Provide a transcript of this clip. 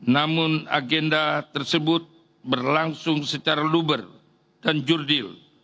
namun agenda tersebut berlangsung secara luber dan jurdil